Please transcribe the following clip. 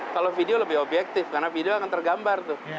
kalau video lebih objektif karena video akan tergambar tuh